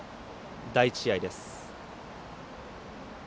第１試合です。